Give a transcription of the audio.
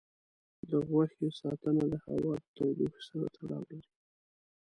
د غوښې ساتنه د هوا د تودوخې سره تړاو لري.